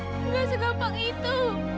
gak segampang itu